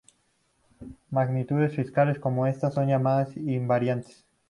Magnitudes físicas como esta son llamadas "invariantes".